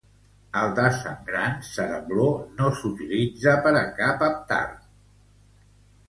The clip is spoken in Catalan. Al Dasam Granth, Sarabloh no s'utilitza per a cap Avtar.